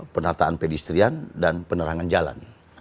penataan pedestrian dan penerangan jalan